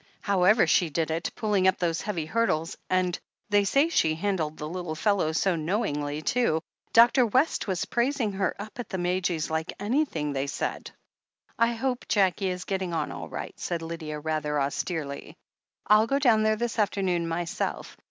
"However she did it, pulling up those heavy hurdles — ^and they say she handled the little fellow so know ingly, too — Dr. West was praising her up at the Madges like anything, they said." "I hope Jackie is getting on all right," said Lydia, rather austerely. "I'll go down there this afternoon myself.